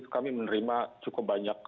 kami menerima cukup banyak